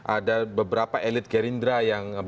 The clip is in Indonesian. ada beberapa elit gerindra yang